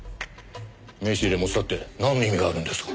名刺入れを持ち去ってなんの意味があるんですか？